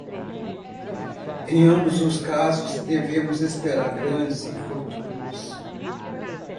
Em ambos os casos, devemos esperar grandes infortúnios.